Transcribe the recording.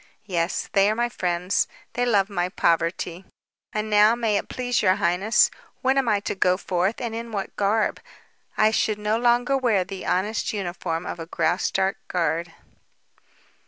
"Yes. They are my friends. They love my poverty. And now, may it please your highness, when am I to go forth and in what garb? I should no longer wear the honest uniform of a Graustark guard."